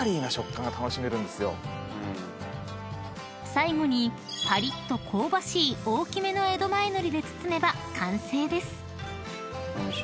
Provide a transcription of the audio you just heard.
［最後にパリッと香ばしい大きめの江戸前海苔で包めば完成です］